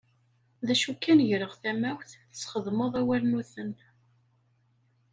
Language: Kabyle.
D acu kan greɣ tamawt tesxedmeḍ awalnuten.